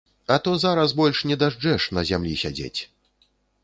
А то зараз больш не дажджэш на зямлі сядзець!